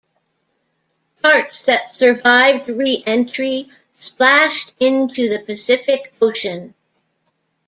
Parts that survived reentry splashed into the Pacific Ocean.